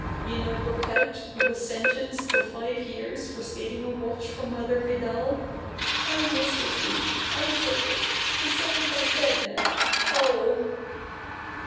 You know Rouquette, who was sentenced for five years for stealing a watch from Mother Vidal?... I was the thief! I took it! Its under my bed now.... Oh...."